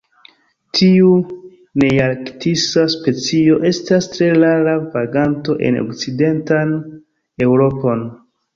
Tiu nearktisa specio estas tre rara vaganto en okcidentan Eŭropon.